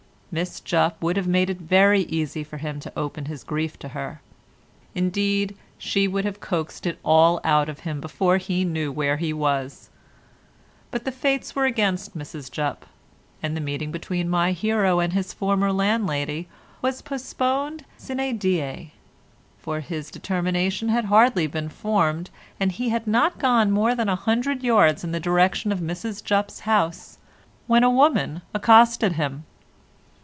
Miss Jupp would have made it very easy for him to open his grief to her; indeed, she would have coaxed it all out of him before he knew where he was; but the fates were against Mrs Jupp, and the meeting between my hero and his former landlady was postponed sine die, for his determination had hardly been formed and he had not gone more than a hundred yards in the direction of Mrs Jupp's house, when a woman accosted him.